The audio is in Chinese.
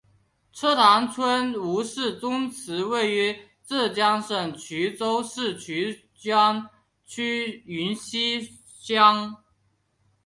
车塘村吴氏宗祠位于浙江省衢州市衢江区云溪乡。